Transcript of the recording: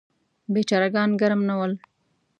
بیچاره ګان ګرم نه ول.